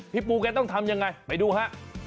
พี่ปูแกต้องทำอย่างไรไปดูฮะ